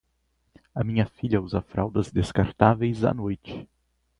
A minha filha usa fraldas descartáveis à noite.